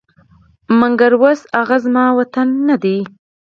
لاکن هغه اوس زما وطن نه دی